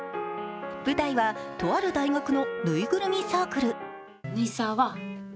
舞台はとある大学のぬいぐるみサークル。